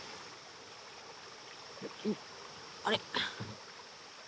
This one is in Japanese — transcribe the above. あれ。